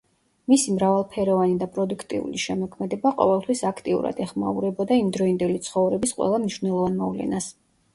მისი მრავალფეროვანი და პროდუქტიული შემოქმედება ყოველთვის აქტიურად ეხმაურებოდა იმდროინდელი ცხოვრების ყველა მნიშვნელოვან მოვლენას.